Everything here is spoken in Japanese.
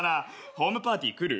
ホームパーティー来る？